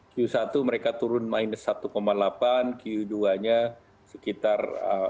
q satu mereka turun minus satu delapan q dua nya sekitar